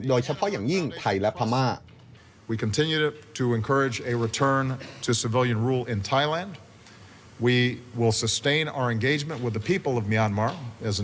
โดยเฉพาะอย่างยิ่งไทยและพม่า